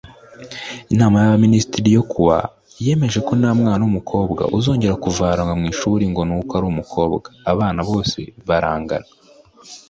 Inama y aba minisitiri yokuwa yemejeko ntamwana wumukobwa uzongera kuvanwa mwishuli ngonuko ari umukobwa abana bose barangana.